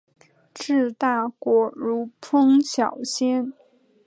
治大国如烹小鲜。